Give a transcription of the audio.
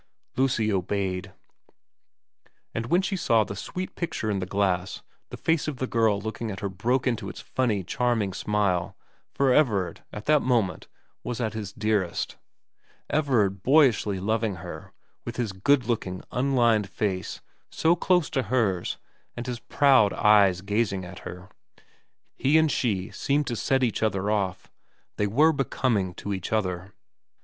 Lucy obeyed ; and when she saw the sweet picture in the glass the face of the girl looking at her broke into its funny, charming smile, for Everard at that moment was at his dearest, Everard boyishly loving her, with his good looking, unlined face so close to hers and his proud eyes gazing at her. He and she seemed to set each other off ; they were becoming to each other.